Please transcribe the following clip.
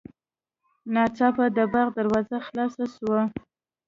ناڅاپه د باغ دروازه خلاصه شوه.